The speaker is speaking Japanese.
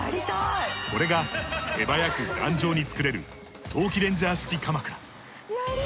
これが手早く頑丈に作れる冬季レンジャー式かまくら。